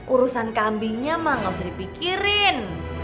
urusan kambingnya mah gak usah dipikirin